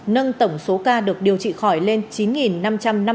nâng tổng số ca được điều trị khỏi lên chín năm trăm năm mươi ca